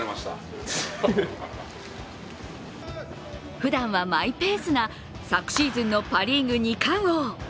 ふだんはマイペースな昨シーズンのパ・リーグ二冠王。